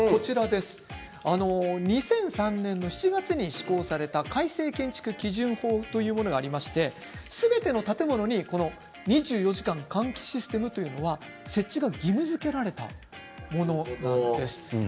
２００３年の７月に施行された改正建築基準法というものがありましてすべての建物にこの２４時間換気システムというのが設置が義務づけられたものです。